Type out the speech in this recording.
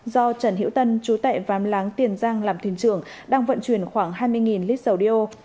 do trần hiễu tân chú tệ vàm láng tiền giang làm thuyền trưởng đang vận chuyển khoảng hai mươi lít dầu đeo